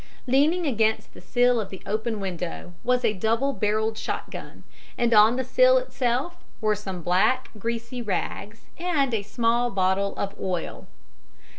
Leaning against the sill of the open window was a double barreled shotgun, and on the sill itself were some black, greasy rags and a small bottle of oil.